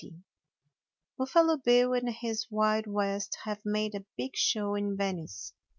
Buffalo Bill and his Wild West have made a big show in Venice.